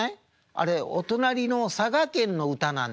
あれお隣の佐賀県の歌なんですってあれ。